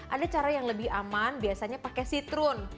ada cara yang lebih aman biasanya pakai citrun